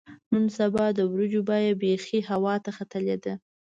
نن سبا د وریجو بیه بیخي هوا ته ختلې ده.